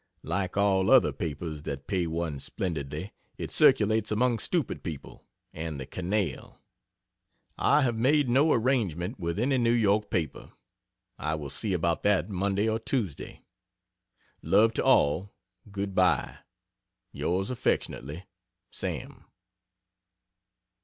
Like all other, papers that pay one splendidly it circulates among stupid people and the 'canaille.' I have made no arrangement with any New York paper I will see about that Monday or Tuesday. Love to all Good bye, Yrs affy SAM.